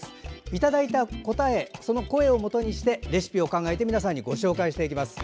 いただいた声をもとにしてレシピを考えて皆さんにご紹介していきます。